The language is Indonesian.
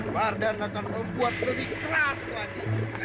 wardan akan membuat lebih keras lagi